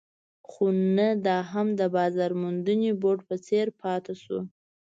خو نه دا هم د بازار موندنې بورډ په څېر پاتې شو.